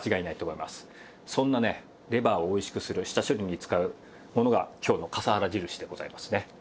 そんなねレバーをおいしくする下処理に使うものが今日の笠原印でございますね。